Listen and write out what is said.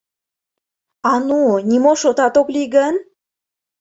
А ну, нимо шотат ок лий гын?